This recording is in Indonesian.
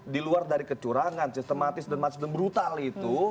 diluar dari kecurangan sistematis dan brutal itu